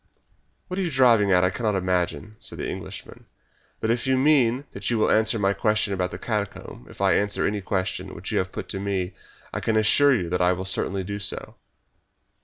"What you are driving at I cannot imagine," said the Englishman, "but if you mean that you will answer my question about the catacomb if I answer any question which you may put to me I can assure you that I will certainly do so."